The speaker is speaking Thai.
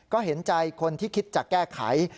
ก็เห็นใจคนที่คิดจะแก้ไข